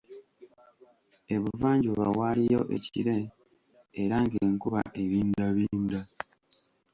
Ebuvanjuba waaliyo ekire era ng'enkuba ebindabinda.